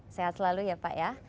sehat selalu ya pak ya